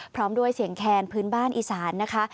พร้อมด้วยเสียงแคนพื้นบ้านอีสานนะคะ